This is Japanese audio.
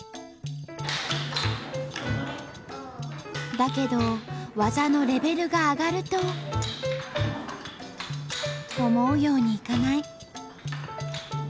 だけど技のレベルが上がると思うようにいかない。